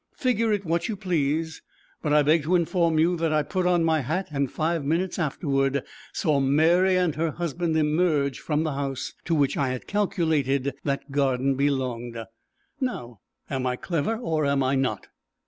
Figure it what you please; but I beg to inform you that I put on my hat and five minutes afterward saw Mary and her husband emerge from the house to which I had calculated that garden belonged. Now am I clever, or am I not?